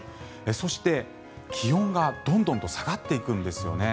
そして気温がどんどんと下がっていくんですよね。